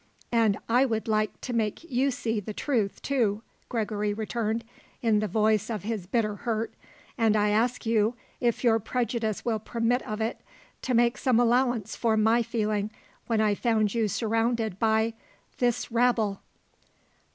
"And I would like to make you see the truth, too," Gregory returned, in the voice of his bitter hurt; "and I ask you, if your prejudice will permit of it, to make some allowance for my feeling when I found you surrounded by this rabble."